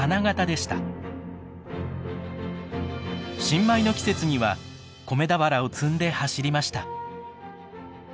新米の季節には米俵を積んで走りました。